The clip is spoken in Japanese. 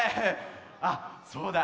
あっそうだ。